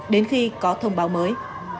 đến khi có thông báo mới